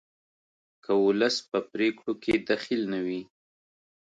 که ولس په پریکړو کې دخیل نه وي